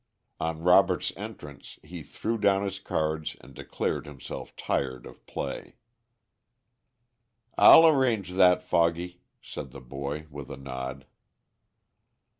On Robert's entrance he threw down his cards and declared himself tired of play. "I'll arrange that, Foggy," said the boy, with a nod.